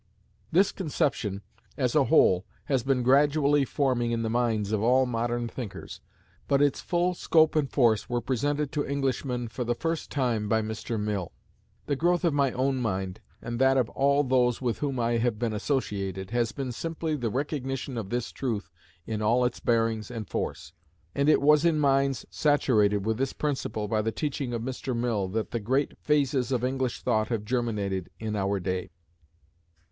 This conception as a whole has been gradually forming in the minds of all modern thinkers; but its full scope and force were presented to Englishmen for the first time by Mr. Mill. The growth of my own mind, and of that of all those with whom I have been associated, has been simply the recognition of this truth in all its bearings and force; and it was in minds saturated with this principle by the teaching of Mr. Mill that the great phases of English thought have germinated in our day.